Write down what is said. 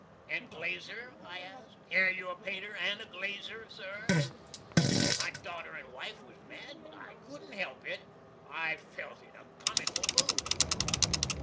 "And glazier," I askt. "Air you a painter and glazier, sir?" My dauter and wife was mad, but I couldn't help it; I felt in a comikil mood.